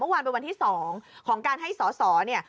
เมื่อวานเป็นวันที่สองของการให้เซา